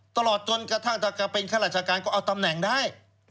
ตลอดถ้าเป็นค่าราชการก็เอาตำแหน่งได้